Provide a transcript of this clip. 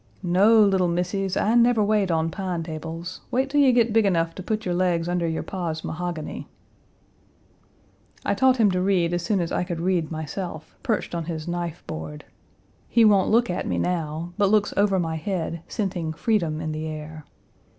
"No, little missies, I never wait on pine tables. Wait till you get big enough to put your legs under your pa's mahogany." I taught him to read as soon as I could read myself, perched on his knife board. He won't look at me now; but looks over my head, scenting freedom in the air.